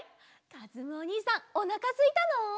かずむおにいさんおなかすいたの？